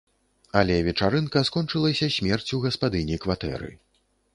Але вечарынка скончылася смерцю гаспадыні кватэры.